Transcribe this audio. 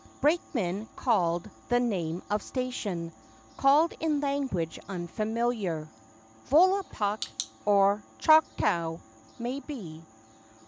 Brakeman called the name of station; Called in language unfamiliar— Volapuck, or Chocktaw, maybe.